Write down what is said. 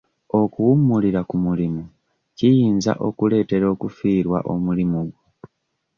Okuwummulira ku mulimu kiyinza okuletera okufirwa omulimu gwo.